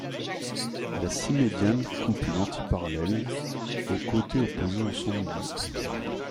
La symédiane coupe une antiparallèle au côté opposé en son milieu.